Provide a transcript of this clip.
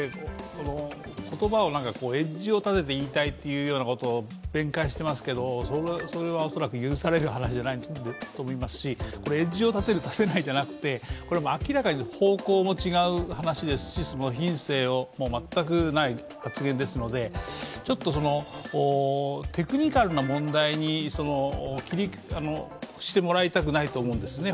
言葉をエッジを立てて言いたいということを弁解してましたけどそれは恐らく許される話じゃないと思いますしエッジを立てる、立てないじゃなくて、明らかに方向の違う話ですし、品性が全くない発言ですのでちょっと、テクニカルな問題にしてもらいたくないと思うんですね。